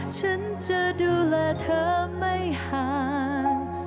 ฉันจะดูแลเธอไม่ห่าง